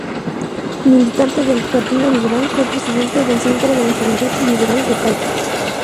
Militante del Partido Liberal, fue presidente del Centro de la Juventud Liberal de Talca.